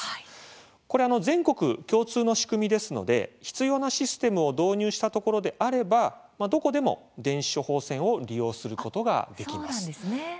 これは全国共通の仕組みですので必要なシステムを導入したところであればどこでも電子処方箋を利用することができます。